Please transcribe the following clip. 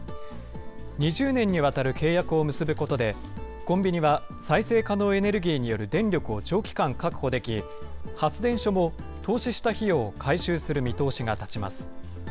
２０年にわたる契約を結ぶことで、コンビニは再生可能エネルギーによる電力を長期間確保でき、発電所も投資した費用を回収する見通しが立ちます。